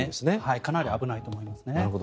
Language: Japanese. かなり危ないと思います。